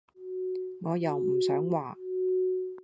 我又唔想話